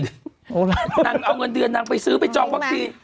นางเอาเงินเดือนนางไปซื้อไปจองวัคซีน